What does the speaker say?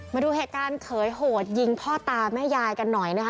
มาดูเหตุการณ์เขยโหดยิงพ่อตาแม่ยายกันหน่อยนะคะ